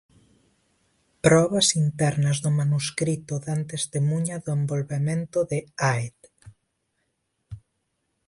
Probas internas do manuscrito dan testemuña do envolvemento de Áed.